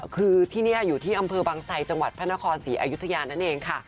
คือที่นี่อยู่ที่อำเภอบางไซจังหวัดพระนครศรีอยุธยานั่นเองค่ะ